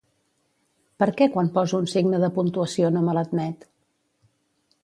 Per què quan poso un signe de puntuació no me l'admet?